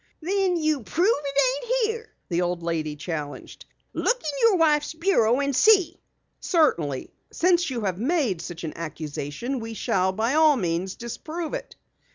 "Then prove that it ain't here!" the old lady challenged. "Look in your wife's bureau drawer and see!" "Certainly. Since you have made such an accusation we shall by all means disprove it."